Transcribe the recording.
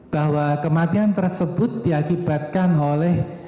bahwa kematian tersebut diakibatkan oleh